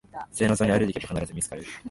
線路沿いに歩いていけば必ず見つかる